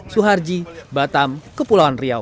suharji batam kepulauan riau